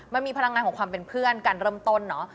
มันมีพลังงานของความเป็นเพื่อนการเริ่มต้นเนาะ